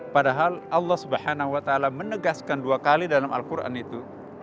padahal allah swt menegaskan dua kali dalam al quran itu